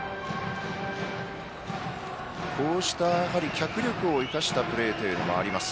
こうした脚力を生かしたプレーもあります。